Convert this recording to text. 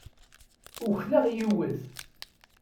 Ukleɣ yiwet.